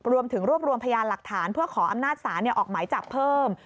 รวมถึงรวบรวมพยานหลักฐานเพื่อขออำนาจศาลออกหมายจับเพิ่ม